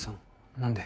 何で。